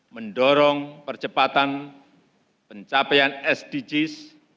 mendorong percepatan pencapaian sdgs